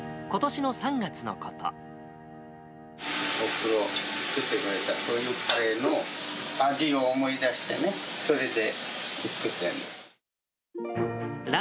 おふくろの作ってくれた、そういうカレーの味を思い出してね、それで作ってる。